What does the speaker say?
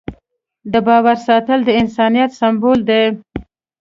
د باور ساتل د انسانیت سمبول دی.